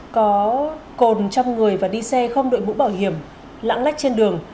có cồn trong người và đi xe không đội mũ bảo hiểm lãng lách trên đường